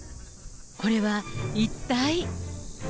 これは一体？